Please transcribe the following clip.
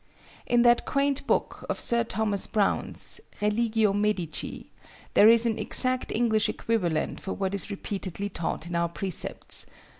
In that quaint book of Sir Thomas Browne's, Religio Medici, there is an exact English equivalent for what is repeatedly taught in our Precepts.